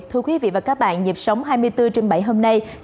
thưa quý vị và các bạn nhịp sống hai mươi bốn trên bảy hôm nay